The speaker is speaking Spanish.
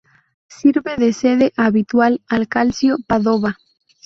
Sirve de sede habitual al Calcio Padova.